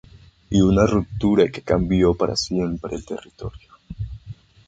Y una ruptura que cambió para siempre el territorio.